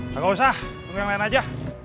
gak usah tunggu yang lain aja